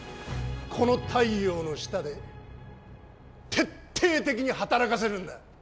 この太陽の下で徹底的に働かせるんだ！